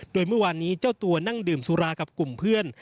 โดยเมื่อวานนี้เจ้าตัวนั่งดื่มสุรากับกลุ่มเพื่อน